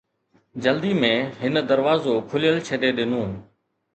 جلدي ۾، هن دروازو کليل ڇڏي ڏنو